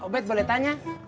bet boleh tanya